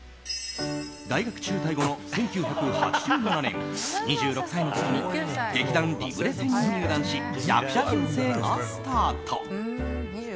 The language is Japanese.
大学中退後の１９８７年２６歳の時に劇団離風霊船に入団し役者人生がスタート。